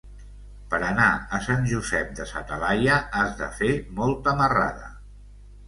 Per anar a Sant Josep de sa Talaia has de fer molta marrada.